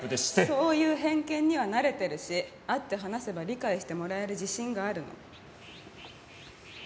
そういう偏見には慣れてるし会って話せば理解してもらえる自信があるの。